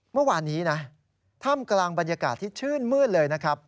เมื่อวานนี้นะท่ามกลางบรรยากาศที่ชื่นมืดเลยนะครับ